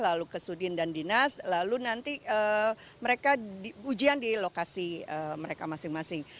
lalu ke sudin dan dinas lalu nanti mereka ujian di lokasi mereka masing masing